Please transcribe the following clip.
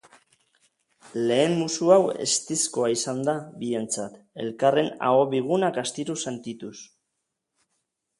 Lehen musu hau eztizkoa izan da bientzat, elkarren aho bigunak astiro sentituz.